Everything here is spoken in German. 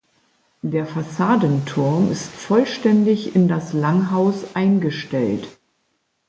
Der Fassadenturm ist vollständig in das Langhaus eingestellt.